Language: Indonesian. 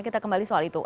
kita kembali soal itu